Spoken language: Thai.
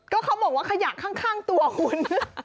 ก็เขาบอกว่าขยะข้างตัวคุณ